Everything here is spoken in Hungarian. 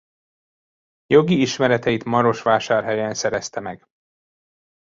Jogi ismereteit Marosvásárhelyen szerezte meg.